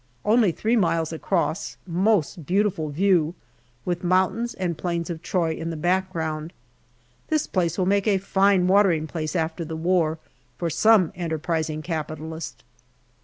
Only three miles across ; most beautiful view, with mountains and plains of Troy in the background. This place will make a fine watering place after the war for some enterprising capitalist.